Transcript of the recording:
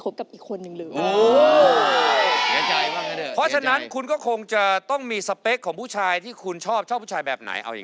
บอกเองนะไม่มีร้า